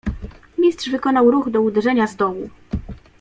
"Mistrz wykonał ruch do uderzenia z dołu."